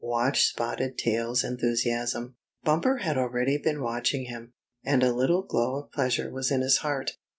Watch Spotted Tail's enthusiasm." Bumper had already been watching him, and a little glow of pleasure was in his heart.